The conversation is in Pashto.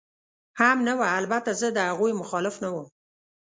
هم نه وه، البته زه د هغوی مخالف نه ووم.